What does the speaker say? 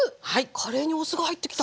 カレーにお酢が入ってきた。